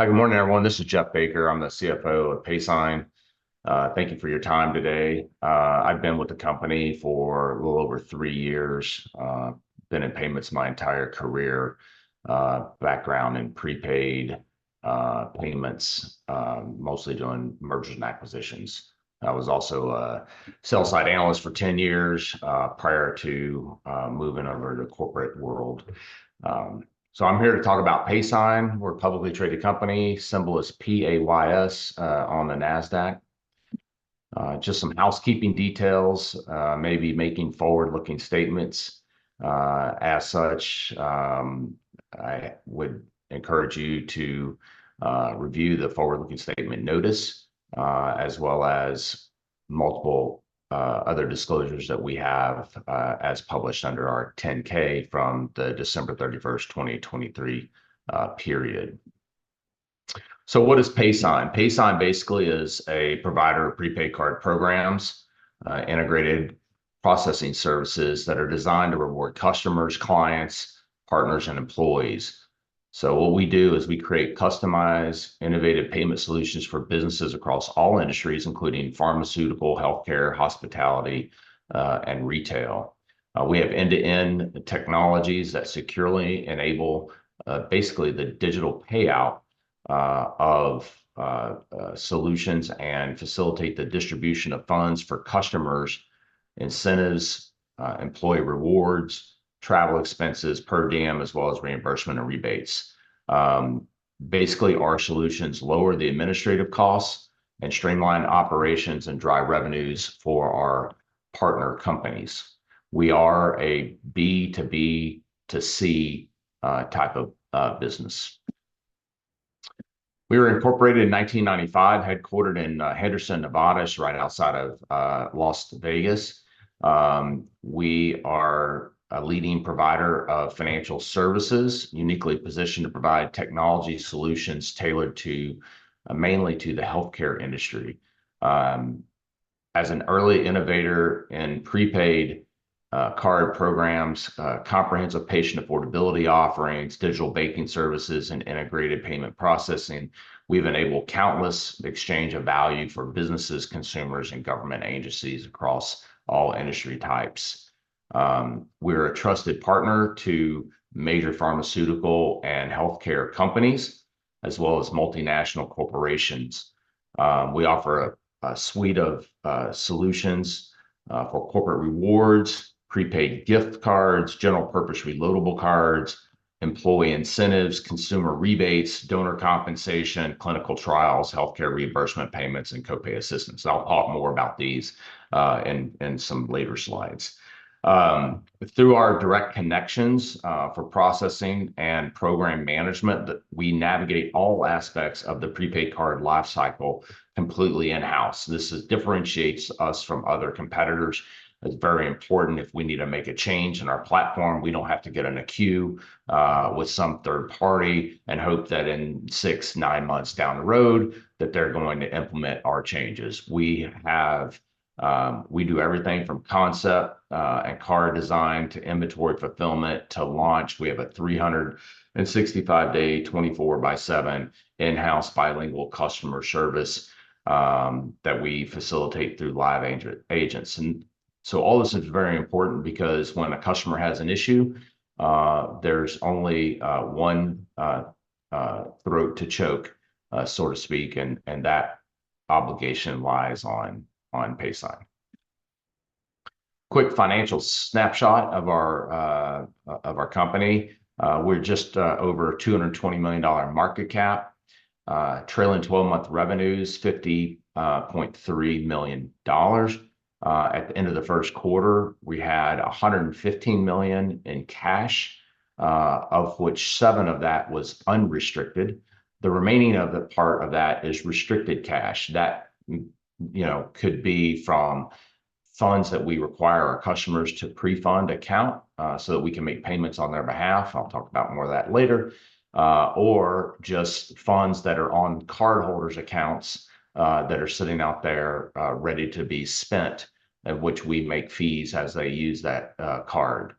Good morning, everyone. This is Jeff Baker. I'm the CFO of Paysign. Thank you for your time today. I've been with the company for a little over three years. I've been in payments my entire career, background in prepaid payments, mostly doing mergers and acquisitions. I was also a sell-side analyst for 10 years prior to moving over to the corporate world. So I'm here to talk about Paysign. We're a publicly traded company. Symbol is P-A-Y-S on the NASDAQ. Just some housekeeping details, maybe making forward-looking statements. As such, I would encourage you to review the forward-looking statement notice, as well as multiple other disclosures that we have as published under our 10-K from the December 31st, 2023 period. So what is Paysign? Paysign basically is a provider of prepaid card programs, integrated processing services that are designed to reward customers, clients, partners, and employees. What we do is we create customized, innovative payment solutions for businesses across all industries, including pharmaceutical, healthcare, hospitality, and retail. We have end-to-end technologies that securely enable basically the digital payout of solutions and facilitate the distribution of funds for customers, incentives, employee rewards, travel expenses per diem, as well as reimbursement and rebates. Basically, our solutions lower the administrative costs and streamline operations and drive revenues for our partner companies. We are a B2B2C type of business. We were incorporated in 1995, headquartered in Henderson, Nevada, right outside of Las Vegas. We are a leading provider of financial services, uniquely positioned to provide technology solutions tailored mainly to the healthcare industry. As an early innovator in prepaid card programs, comprehensive patient affordability offerings, digital banking services, and integrated payment processing, we've enabled countless exchanges of value for businesses, consumers, and government agencies across all industry types. We're a trusted partner to major pharmaceutical and healthcare companies, as well as multinational corporations. We offer a suite of solutions for corporate rewards, prepaid gift cards, general purpose reloadable cards, employee incentives, consumer rebates, donor compensation, clinical trials, healthcare reimbursement payments, and copay assistance. I'll talk more about these in some later slides. Through our direct connections for processing and program management, we navigate all aspects of the prepaid card lifecycle completely in-house. This differentiates us from other competitors. It's very important if we need to make a change in our platform, we don't have to get in a queue with some third party and hope that in 6-9 months down the road, that they're going to implement our changes. We do everything from concept and card design to inventory fulfillment to launch. We have a 365-day, 24/7 in-house bilingual customer service that we facilitate through live agents. All this is very important because when a customer has an issue, there's only one throat to choke, so to speak, and that obligation lies on Paysign. Quick financial snapshot of our company. We're just over $220 million market cap. Trailing 12-month revenues, $50.3 million. At the end of the first quarter, we had $115 million in cash, of which 7 of that was unrestricted. The remaining part of that is restricted cash. That could be from funds that we require our customers to pre-fund account so that we can make payments on their behalf. I'll talk about more of that later, or just funds that are on cardholders' accounts that are sitting out there ready to be spent, of which we make fees as they use that card.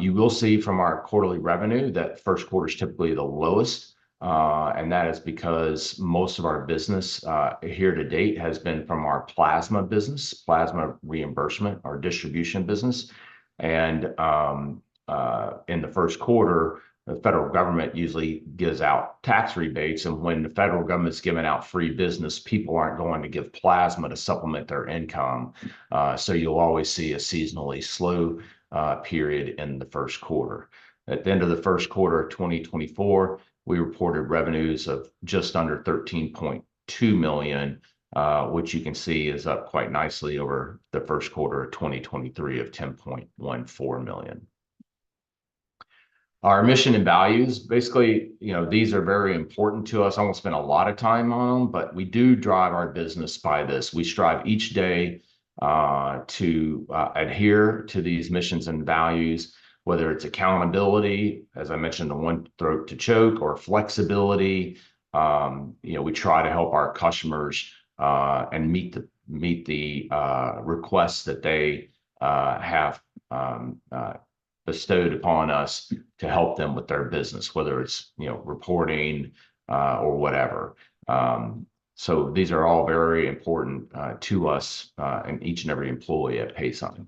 You will see from our quarterly revenue that first quarter is typically the lowest, and that is because most of our business here to date has been from our plasma business, plasma reimbursement, our distribution business. And in the first quarter, the federal government usually gives out tax rebates, and when the federal government's giving out free business, people aren't going to give plasma to supplement their income. So you'll always see a seasonally slow period in the first quarter. At the end of the first quarter of 2024, we reported revenues of just under $13.2 million, which you can see is up quite nicely over the first quarter of 2023 of $10.14 million. Our mission and values, basically, these are very important to us. I won't spend a lot of time on them, but we do drive our business by this. We strive each day to adhere to these missions and values, whether it's accountability, as I mentioned, the one throat to choke, or flexibility. We try to help our customers and meet the requests that they have bestowed upon us to help them with their business, whether it's reporting or whatever. So these are all very important to us and each and every employee at Paysign.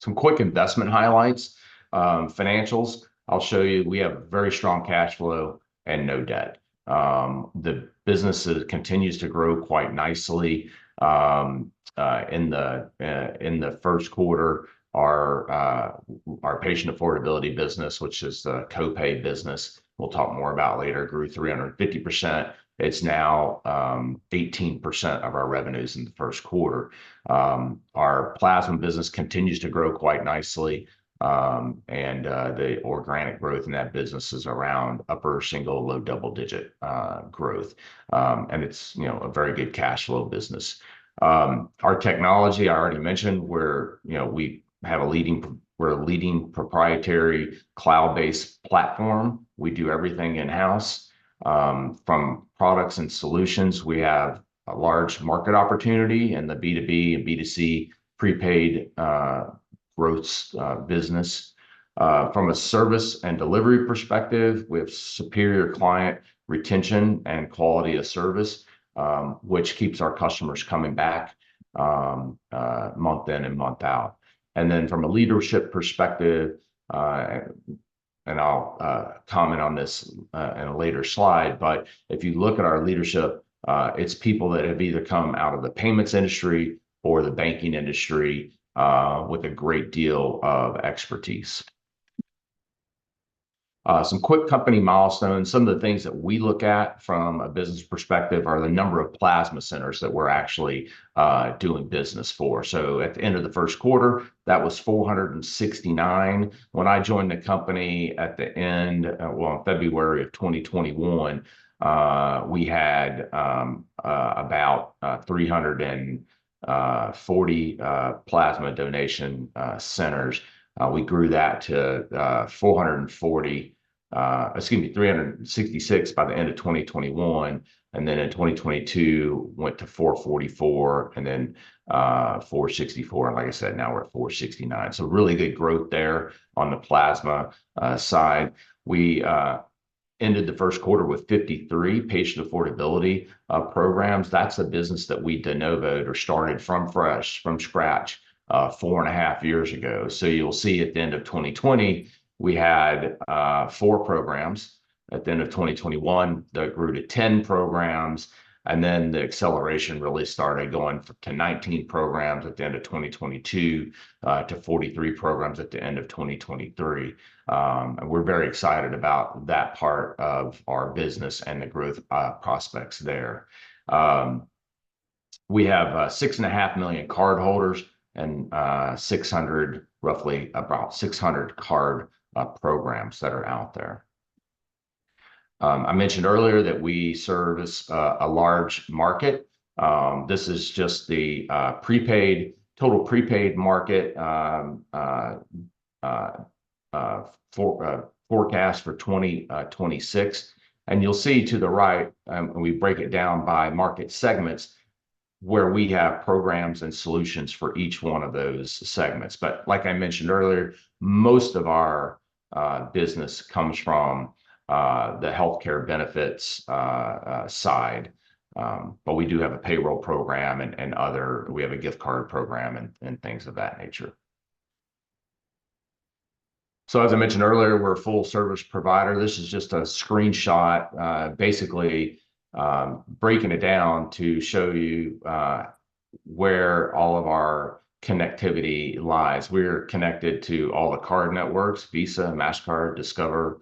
Some quick investment highlights. Financials, I'll show you. We have very strong cash flow and no debt. The business continues to grow quite nicely. In the first quarter, our patient affordability business, which is the copay business, we'll talk more about later, grew 350%. It's now 18% of our revenues in the first quarter. Our plasma business continues to grow quite nicely, and the organic growth in that business is around upper single, low double-digit growth. It's a very good cash flow business. Our technology, I already mentioned, we have a leading proprietary cloud-based platform. We do everything in-house. From products and solutions, we have a large market opportunity in the B2B and B2C prepaid growth business. From a service and delivery perspective, we have superior client retention and quality of service, which keeps our customers coming back month in and month out. From a leadership perspective, and I'll comment on this in a later slide, but if you look at our leadership, it's people that have either come out of the payments industry or the banking industry with a great deal of expertise. Some quick company milestones. Some of the things that we look at from a business perspective are the number of plasma centers that we're actually doing business for. So at the end of the first quarter, that was 469. When I joined the company at the end, well, in February of 2021, we had about 340 plasma donation centers. We grew that to 440, excuse me, 366 by the end of 2021. In 2022, went to 444, and then 464. And like I said, now we're at 469. So really good growth there on the plasma side. We ended the first quarter with 53 patient affordability programs. That's a business that we De Novo or started from scratch four and a half years ago. So you'll see at the end of 2020, we had four programs. At the end of 2021, that grew to 10 programs. And then the acceleration really started going to 19 programs at the end of 2022 to 43 programs at the end of 2023. And we're very excited about that part of our business and the growth prospects there. We have 6.5 million cardholders and roughly about 600 card programs that are out there. I mentioned earlier that we serve a large market. This is just the total prepaid market forecast for 2026. And you'll see to the right, and we break it down by market segments where we have programs and solutions for each one of those segments. But like I mentioned earlier, most of our business comes from the healthcare benefits side. But we do have a payroll program and other, we have a gift card program and things of that nature. So as I mentioned earlier, we're a full-service provider. This is just a screenshot, basically breaking it down to show you where all of our connectivity lies. We're connected to all the card networks: Visa, Mastercard, Discover,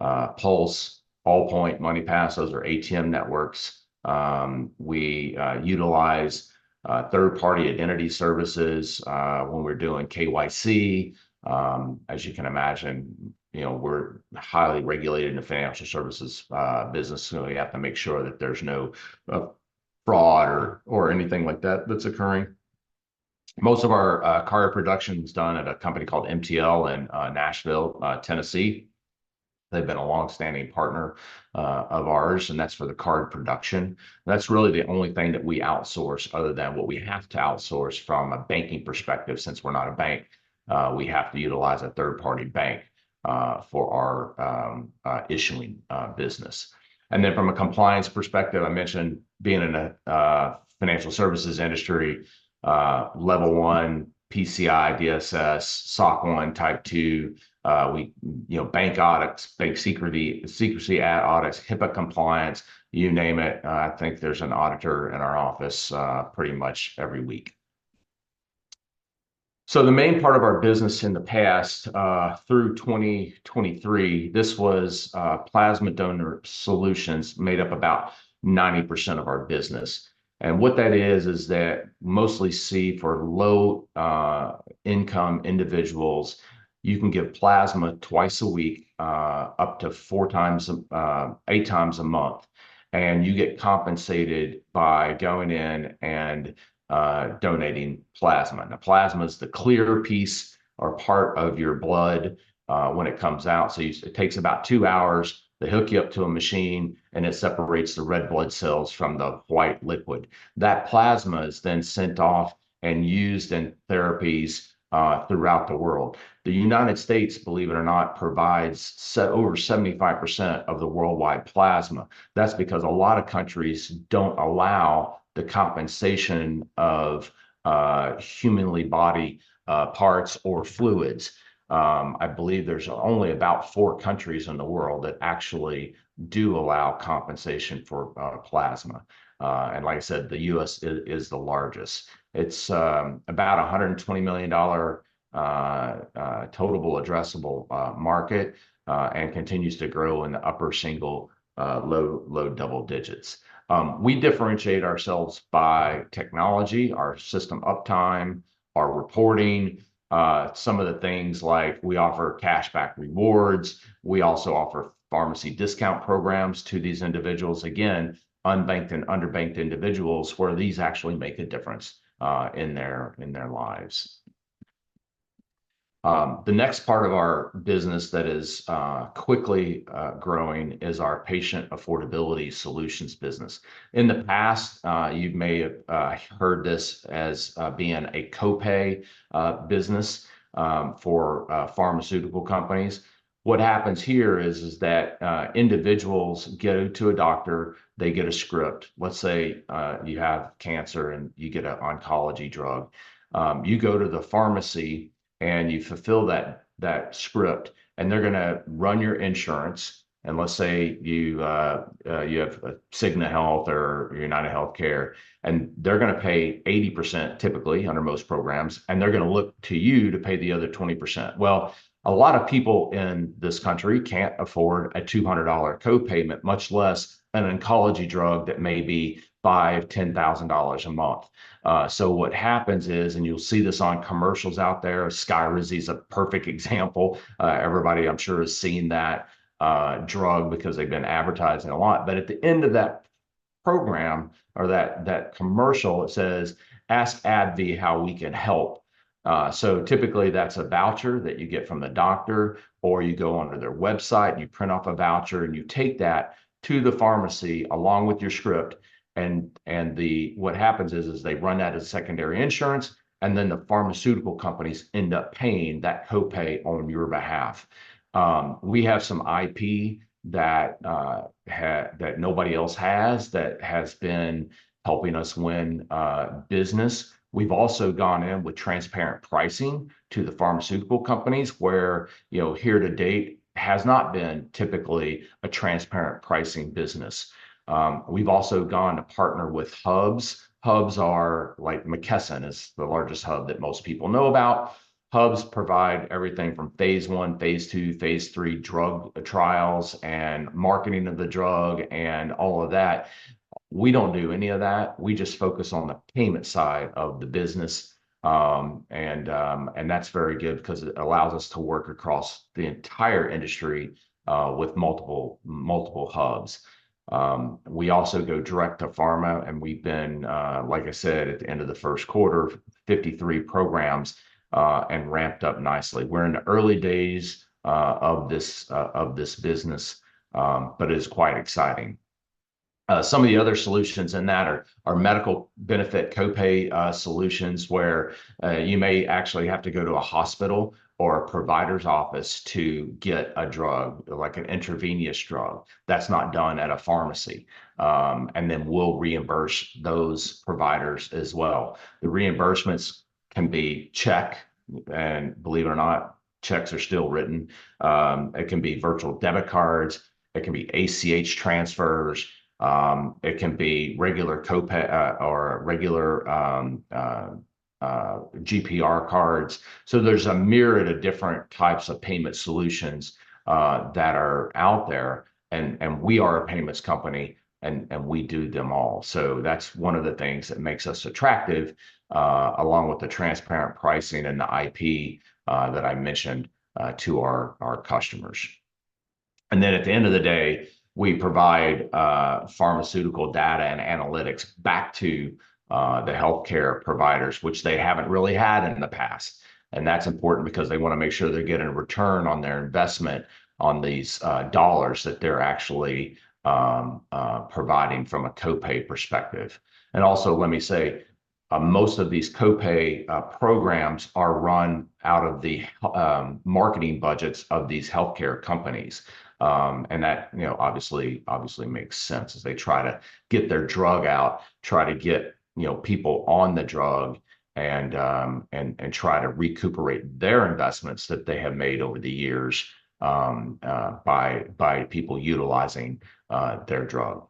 Pulse, Allpoint, MoneyPass. Those are ATM networks. We utilize third-party identity services when we're doing KYC. As you can imagine, we're highly regulated in the financial services business. We have to make sure that there's no fraud or anything like that that's occurring. Most of our card production is done at a company called MTL in Nashville, Tennessee. They've been a longstanding partner of ours, and that's for the card production. That's really the only thing that we outsource other than what we have to outsource from a banking perspective since we're not a bank. We have to utilize a third-party bank for our issuing business. And then from a compliance perspective, I mentioned being in the financial services industry, Level 1 PCI DSS, SOC 1 Type 2, bank audits, bank secrecy audits, HIPAA compliance, you name it. I think there's an auditor in our office pretty much every week. So the main part of our business in the past through 2023, this was plasma donor solutions made up about 90% of our business. And what that is, is that mostly for low-income individuals, you can give plasma twice a week, up to eight times a month. And you get compensated by going in and donating plasma. Now, plasma is the clear piece or part of your blood when it comes out. So it takes about two hours to hook you up to a machine, and it separates the red blood cells from the white liquid. That plasma is then sent off and used in therapies throughout the world. The United States, believe it or not, provides over 75% of the worldwide plasma. That's because a lot of countries don't allow the compensation of human body parts or fluids. I believe there's only about four countries in the world that actually do allow compensation for plasma. And like I said, the U.S. is the largest. It's about a $120 million total addressable market and continues to grow in the upper single, low double digits. We differentiate ourselves by technology, our system uptime, our reporting, some of the things like we offer cashback rewards. We also offer pharmacy discount programs to these individuals, again, unbanked and underbanked individuals where these actually make a difference in their lives. The next part of our business that is quickly growing is our patient affordability solutions business. In the past, you may have heard this as being a copay business for pharmaceutical companies. What happens here is that individuals go to a doctor, they get a script. Let's say you have cancer and you get an oncology drug. You go to the pharmacy and you fulfill that script, and they're going to run your insurance. And let's say you have Cigna Healthcare or UnitedHealthcare, and they're going to pay 80% typically under most programs, and they're going to look to you to pay the other 20%. Well, a lot of people in this country can't afford a $200 copayment, much less an oncology drug that may be $5,000, $10,000 a month. So what happens is, and you'll see this on commercials out there, Skyrizi is a perfect example. Everybody, I'm sure, has seen that drug because they've been advertising a lot. But at the end of that program or that commercial, it says, "Ask AbbVie how we can help." So typically, that's a voucher that you get from the doctor, or you go onto their website, you print off a voucher, and you take that to the pharmacy along with your script. What happens is they run that as secondary insurance, and then the pharmaceutical companies end up paying that copay on your behalf. We have some IP that nobody else has that has been helping us win business. We've also gone in with transparent pricing to the pharmaceutical companies where here to date has not been typically a transparent pricing business. We've also gone to partner with hubs. Hubs are like McKesson is the largest hub that most people know about. Hubs provide everything from phase I, phase II, phase III drug trials and marketing of the drug and all of that. We don't do any of that. We just focus on the payment side of the business. And that's very good because it allows us to work across the entire industry with multiple hubs. We also go direct to pharma, and we've been, like I said, at the end of the first quarter, 53 programs and ramped up nicely. We're in the early days of this business, but it is quite exciting. Some of the other solutions in that are medical benefit copay solutions where you may actually have to go to a hospital or a provider's office to get a drug, like an intravenous drug. That's not done at a pharmacy, and then we'll reimburse those providers as well. The reimbursements can be checks, and believe it or not, checks are still written. It can be virtual debit cards. It can be ACH transfers. It can be regular copay or regular GPR cards. So there's a myriad of different types of payment solutions that are out there. And we are a payments company, and we do them all. So that's one of the things that makes us attractive along with the transparent pricing and the IP that I mentioned to our customers. Then at the end of the day, we provide pharmaceutical data and analytics back to the healthcare providers, which they haven't really had in the past. That's important because they want to make sure they're getting a return on their investment on these dollars that they're actually providing from a copay perspective. Also, let me say, most of these copay programs are run out of the marketing budgets of these healthcare companies. That obviously makes sense as they try to get their drug out, try to get people on the drug, and try to recuperate their investments that they have made over the years by people utilizing their drug.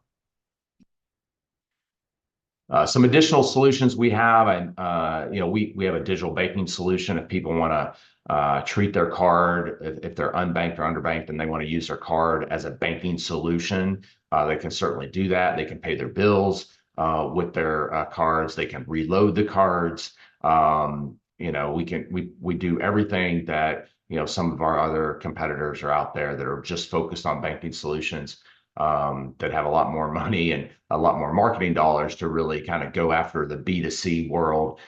Some additional solutions we have, and we have a digital banking solution if people want to treat their card if they're unbanked or underbanked and they want to use their card as a banking solution. They can certainly do that. They can pay their bills with their cards. They can reload the cards. We do everything that some of our other competitors are out there that are just focused on banking solutions that have a lot more money and a lot more marketing dollars to really kind of go after the B2C world.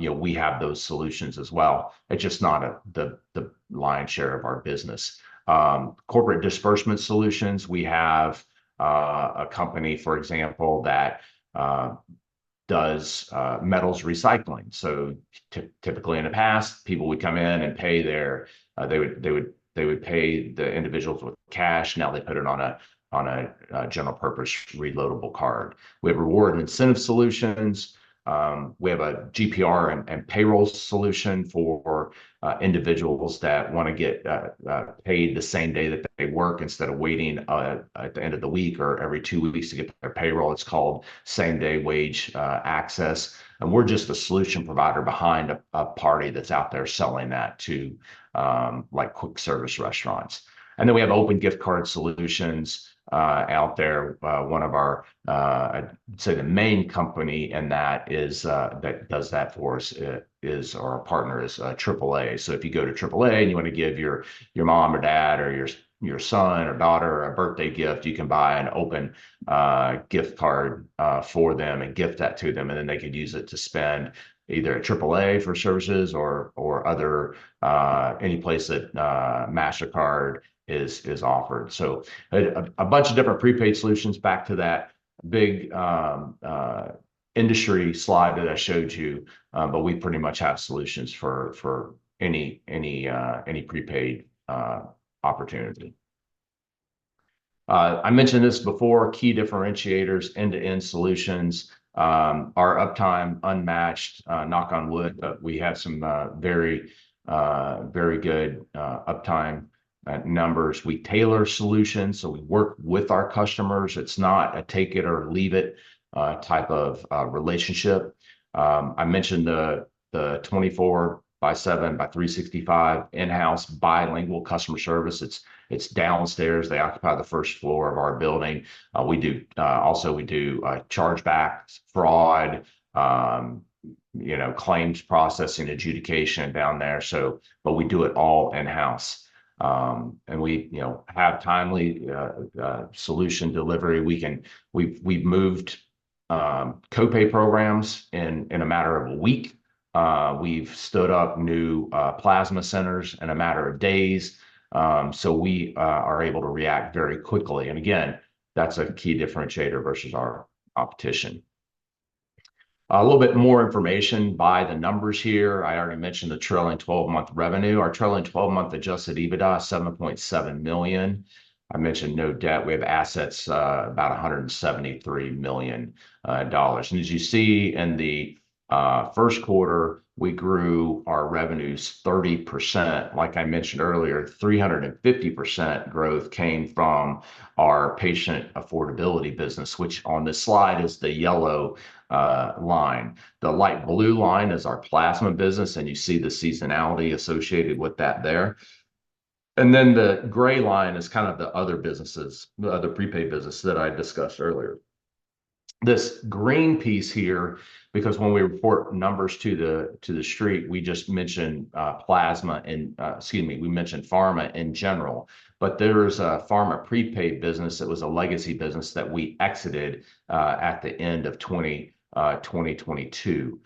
We have those solutions as well. It's just not the lion's share of our business. Corporate disbursement solutions, we have a company, for example, that does metals recycling. So typically in the past, people would come in and they would pay the individuals with cash. Now they put it on a general purpose reloadable card. We have reward and incentive solutions. We have a GPR and payroll solution for individuals that want to get paid the same day that they work instead of waiting at the end of the week or every two weeks to get their payroll. It's called same-day wage access. We're just a solution provider behind a party that's out there selling that to quick-service restaurants. Then we have open gift card solutions out there. One of our, I'd say, the main company in that that does that for us is our partner is AAA. So if you go to AAA and you want to give your mom or dad or your son or daughter a birthday gift, you can buy an open gift card for them and gift that to them. Then they can use it to spend either at AAA for services or any place that Mastercard is offered. So, a bunch of different prepaid solutions back to that big industry slide that I showed you, but we pretty much have solutions for any prepaid opportunity. I mentioned this before, key differentiators, end-to-end solutions, our uptime, unmatched, knock on wood, but we have some very good uptime numbers. We tailor solutions, so we work with our customers. It's not a take it or leave it type of relationship. I mentioned the 24/7/365 in-house bilingual customer service. It's downstairs. They occupy the first floor of our building. Also, we do chargebacks, fraud, claims processing, adjudication down there. But we do it all in-house. And we have timely solution delivery. We've moved copay programs in a matter of a week. We've stood up new plasma centers in a matter of days. So we are able to react very quickly. And again, that's a key differentiator versus our competition. A little bit more information by the numbers here. I already mentioned the trailing 12-month revenue. Our trailing 12-month Adjusted EBITDA is $7.7 million. I mentioned no debt. We have assets about $173 million. And as you see in the first quarter, we grew our revenues 30%. Like I mentioned earlier, 350% growth came from our patient affordability business, which on this slide is the yellow line. The light blue line is our plasma business, and you see the seasonality associated with that there. And then the gray line is kind of the other businesses, the other prepaid businesses that I discussed earlier. This green piece here, because when we report numbers to the street, we just mentioned plasma, excuse me, we mentioned pharma in general. There was a pharma prepaid business that was a legacy business that we exited at the end of 2022.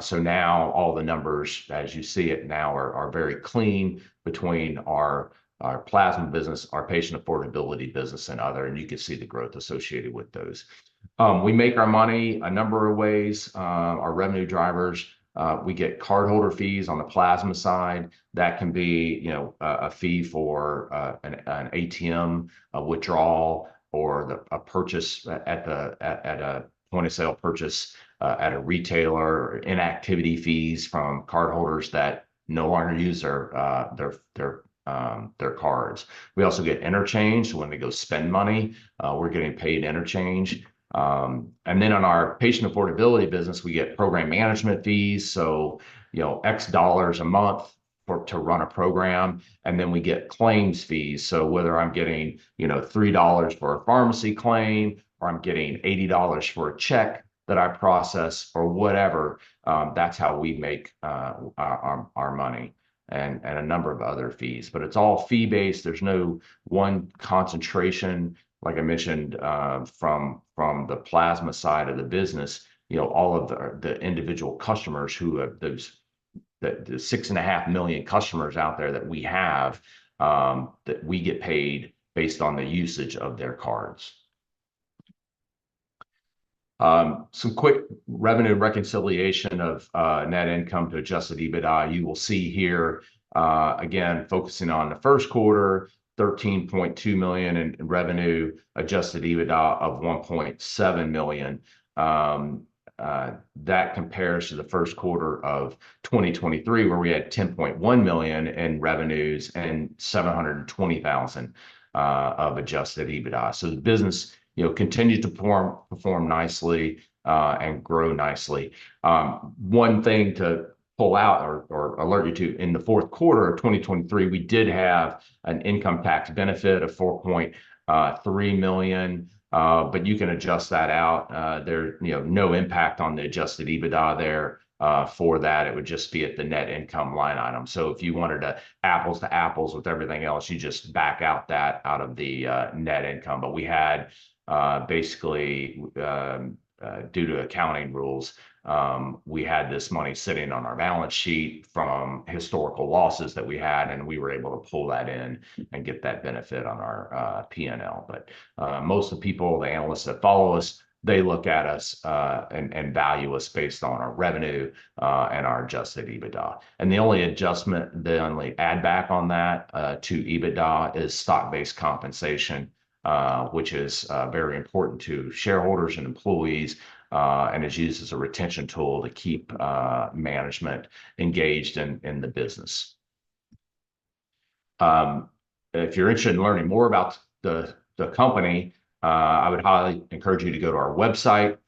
So now all the numbers, as you see it now, are very clean between our plasma business, our patient affordability business, and other. And you can see the growth associated with those. We make our money a number of ways. Our revenue drivers, we get cardholder fees on the plasma side. That can be a fee for an ATM withdrawal or a purchase at a point of sale, purchase at a retailer, inactivity fees from cardholders that no longer use their cards. We also get interchange when they go spend money. We're getting paid interchange. And then on our patient affordability business, we get program management fees. So X dollars a month to run a program. And then we get claims fees. So whether I'm getting $3 for a pharmacy claim or I'm getting $80 for a check that I process or whatever, that's how we make our money and a number of other fees. But it's all fee-based. There's no one concentration, like I mentioned, from the plasma side of the business. All of the individual customers who have those 6.5 million customers out there that we have that we get paid based on the usage of their cards. Some quick revenue reconciliation of net income to Adjusted EBITDA. You will see here, again, focusing on the first quarter, $13.2 million in revenue, Adjusted EBITDA of $1.7 million. That compares to the first quarter of 2023, where we had $10.1 million in revenues and $720,000 of Adjusted EBITDA. So the business continues to perform nicely and grow nicely. One thing to pull out or alert you to, in the fourth quarter of 2023, we did have an income tax benefit of $4.3 million, but you can adjust that out. There's no impact on the Adjusted EBITDA there for that. It would just be at the net income line item. If you wanted to apples to apples with everything else, you just back out that out of the net income. But we had, basically, due to accounting rules, we had this money sitting on our balance sheet from historical losses that we had, and we were able to pull that in and get that benefit on our P&L. But most of the people, the analysts that follow us, they look at us and value us based on our revenue and our Adjusted EBITDA. The only adjustment, the only add-back on that to EBITDA is stock-based compensation, which is very important to shareholders and employees and is used as a retention tool to keep management engaged in the business. If you're interested in learning more about the company, I would highly encourage you to go to our website.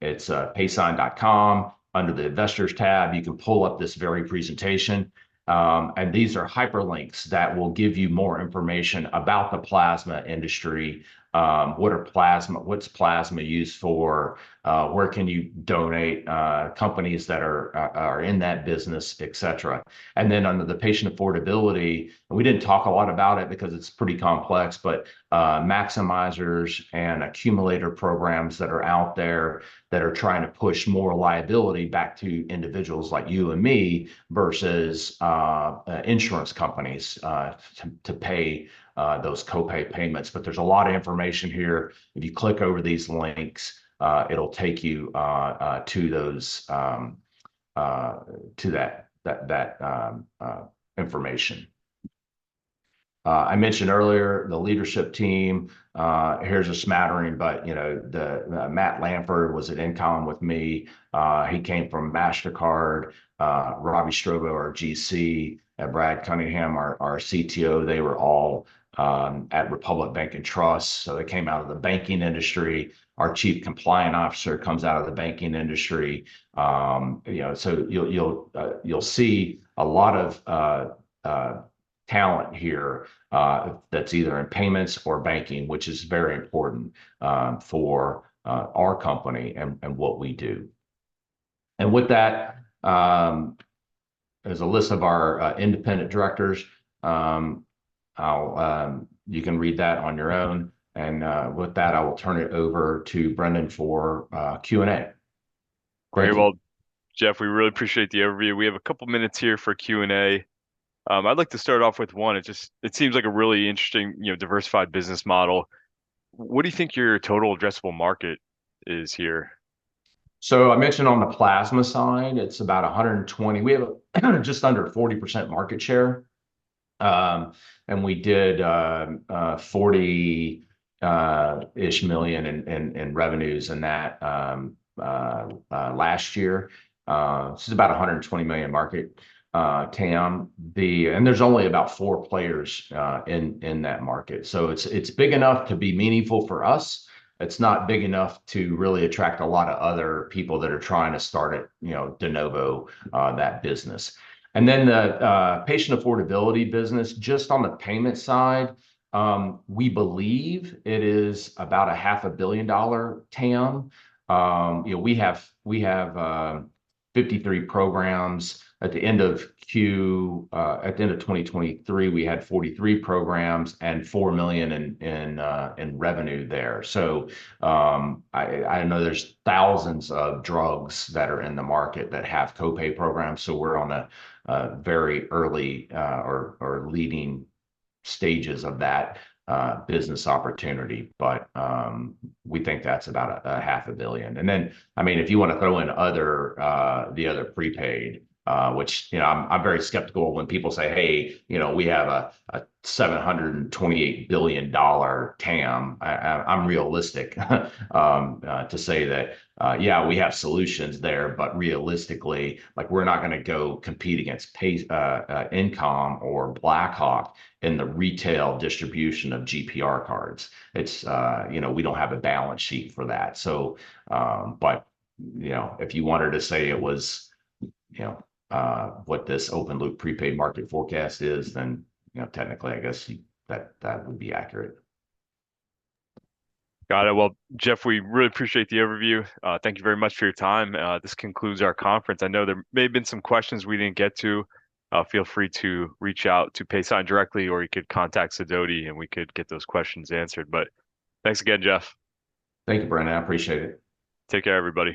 It's Paysign.com. Under the investors tab, you can pull up this very presentation. These are hyperlinks that will give you more information about the plasma industry. What's plasma used for? Where can you donate? Companies that are in that business, etc. Then under the patient affordability, we didn't talk a lot about it because it's pretty complex, but maximizers and accumulator programs that are out there that are trying to push more liability back to individuals like you and me versus insurance companies to pay those copay payments. There's a lot of information here. If you click over these links, it'll take you to that information. I mentioned earlier the leadership team. Here's a smattering, but Matt Lanford was at InComm with me. He came from Mastercard. Robert Strobo, our GC, and Brad Cunningham, our CTO, they were all at Republic Bank & Trust. So they came out of the banking industry. Our Chief Compliance Officer comes out of the banking industry. So you'll see a lot of talent here that's either in payments or banking, which is very important for our company and what we do. With that, there's a list of our independent directors. You can read that on your own. With that, I will turn it over to Brendan for Q&A. Great. Thank you both, Jeff. We really appreciate the overview. We have a couple of minutes here for Q&A. I'd like to start off with one. It seems like a really interesting diversified business model. What do you think your total addressable market is here? I mentioned on the plasma side, it's about $120 million. We have just under 40% market share. And we did $40-ish million in revenues in that last year. This is about a $120 million market, TAM. And there's only about four players in that market. So it's big enough to be meaningful for us. It's not big enough to really attract a lot of other people that are trying to start at De Novo, that business. And then the patient affordability business, just on the payment side, we believe it is about $500 million TAM. We have 53 programs. At the end of Q, at the end of 2023, we had 43 programs and $4 million in revenue there. So I know there's thousands of drugs that are in the market that have copay programs. So we're on a very early or leading stages of that business opportunity. But we think that's about $500 million. And then, I mean, if you want to throw in the other prepaid, which I'm very skeptical when people say, "Hey, we have a $728 billion TAM." I'm realistic to say that, yeah, we have solutions there, but realistically, we're not going to go compete against InComm or Blackhawk in the retail distribution of GPR cards. We don't have a balance sheet for that. But if you wanted to say it was what this open loop prepaid market forecast is, then technically, I guess that would be accurate. Got it. Well, Jeff, we really appreciate the overview. Thank you very much for your time. This concludes our conference. I know there may have been some questions we didn't get to. Feel free to reach out to Paysign directly, or you could contact Sidoti, and we could get those questions answered. Thanks again, Jeff. Thank you, Brendan. I appreciate it. Take care, everybody.